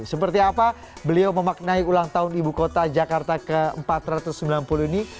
seperti apa beliau memaknai ulang tahun ibu kota jakarta ke empat ratus sembilan puluh ini